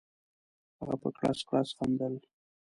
هغه په کړس کړس خندل.